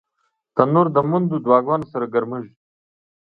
تنور د میندو دعاګانو سره ګرمېږي